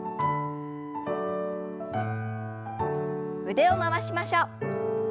腕を回しましょう。